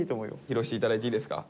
披露して頂いていいですか？